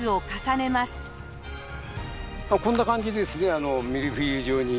こんな感じでですね